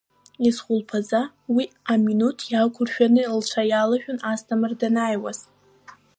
Есыхәылԥаз уи аминуҭ иақәыршәан, лцәа иалашәон Асҭамыр данааиуаз.